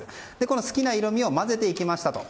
好きな色味を混ぜていきました